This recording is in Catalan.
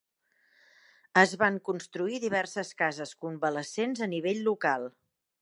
Es van construir diverses cases convalescents a nivell local.